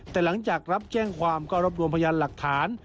แต่หลังจากรับแจ้งความก็รวบรวมพยานหลักฐาน